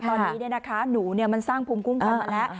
ตอนนี้เนี่ยนะคะหนูมันสร้างภูมิคุ้มความมาแล้ว